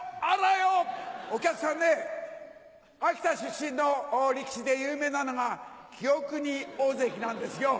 お客さんね秋田出身の力士で有名なのが清國大関なんですよ。